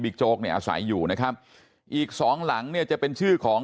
โจ๊กเนี่ยอาศัยอยู่นะครับอีกสองหลังเนี่ยจะเป็นชื่อของ